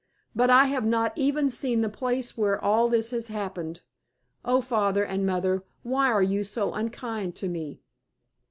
But I have not even seen the place where all this has happened. O Father and Mother, why are you so unkind to me?"